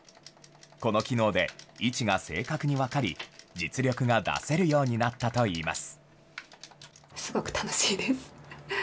この機能で位置が正確に分かり、実力が出せるようになったといいます。